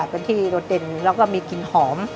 เป็นที่โดดเด่นแล้วก็มีกลิ่นหอม